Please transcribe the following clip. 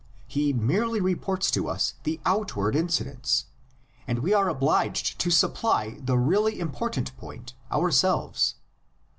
He merely reports to us the outward incidents, and we are obliged to supply the really important point ourselves.